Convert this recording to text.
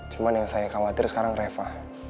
cuma yang saya khawatir sekarang reva